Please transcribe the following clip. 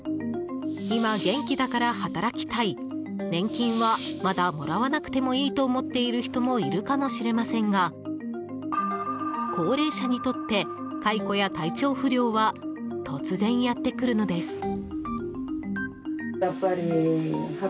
今、元気だから働きたい年金はまだもらわなくてもいいと思っている人もいるかもしれませんが高齢者にとって解雇や体調不良は突然やってくるのです。